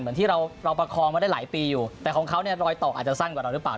เหมือนที่เราประคองมาได้หลายปีอยู่แต่ของเขาเนี่ยรอยต่ออาจจะสั้นกว่าเราหรือเปล่า